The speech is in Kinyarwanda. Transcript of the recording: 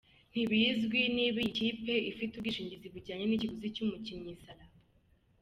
Ntibizwi niba iyi kipe ifite ubwishingizi bujyanye n'ikiguzi cy'umukinnyi Sala.